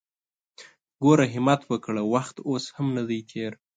ګوره همت وکړه! وخت اوس هم ندی تېر!